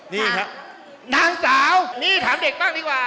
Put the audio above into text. นี่ครับนางสาวนี่ถามเด็กบ้างดีกว่า